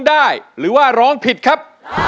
ได้ครับ